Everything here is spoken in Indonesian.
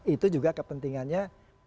itu juga kepentingannya